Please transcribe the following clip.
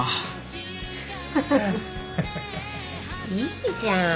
いいじゃん。